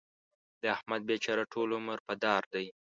د احمد بېچاره ټول عمر په دار دی.